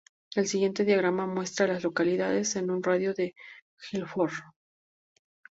El siguiente diagrama muestra a las localidades en un radio de de Gifford.